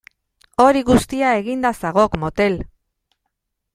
Hori guztia eginda zagok motel!